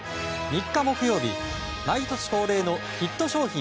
３日木曜日、毎年恒例のヒット商品